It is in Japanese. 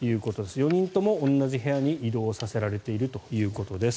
４人とも同じ部屋に移動させられているということです。